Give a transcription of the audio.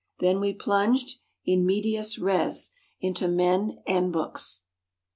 Then we plunged, in medias res, into men and books." 1852.